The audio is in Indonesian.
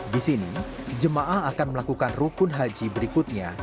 di sini jemaah akan melakukan rukun haji berikutnya